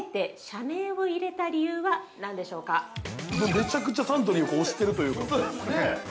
◆めちゃくちゃサントリーを推してるということですね。